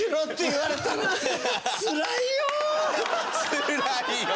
「つらいよ」。